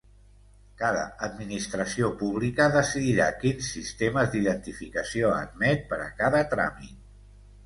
Cada administració pública decidirà quins sistemes d'identificació admet per a cada tràmit.